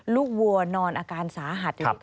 ลูกวัวนอนอาการสะหัด